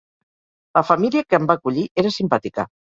La família que em va acollir era simpàtica.